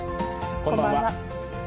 こんばんは。